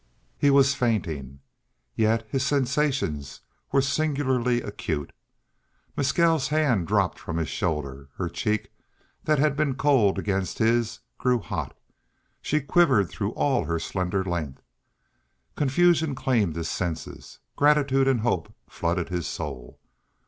He was fainting, yet his sensations were singularly acute. Mescal's hand dropped from his shoulder; her cheek, that had been cold against his, grew hot; she quivered through all her slender length. Confusion claimed his senses. Gratitude and hope flooded his soul.